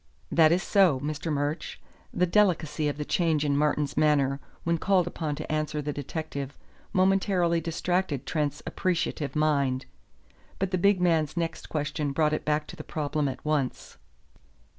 "That is so, Mr. Murch." The delicacy of the change in Martin's manner when called upon to answer the detective momentarily distracted Trent's appreciative mind. But the big man's next question brought it back to the problem at once.